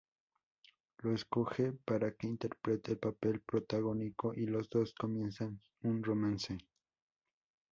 Lo escoge para que interprete el papel protagónico y los dos comienzan un romance.